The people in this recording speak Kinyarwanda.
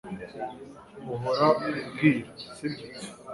Uhora umbwira sibyo